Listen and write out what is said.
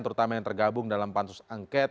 terutama yang tergabung dalam pansus angket